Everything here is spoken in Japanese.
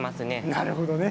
なるほどね。